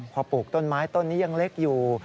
พอปลูกต้นไม้ต้นนี้ยังเล็กอยู่